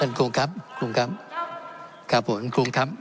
ท่านประธานที่ขอรับครับ